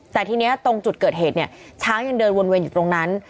แต่ทีนี้ตรงจุดเกิดเหตุเนี่ยช้างยังเดินวนเวียนอยู่ตรงนั้น